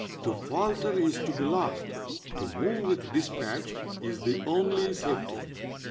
To falter is to be lost; to move with dispatch is the only safety.